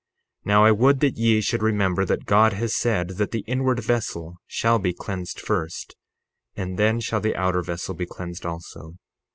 Now I would that ye should remember that God has said that the inward vessel shall be cleansed first, and then shall the outer vessel be cleansed also.